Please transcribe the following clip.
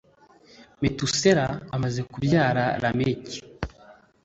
Metusela amaze kubyara Lameki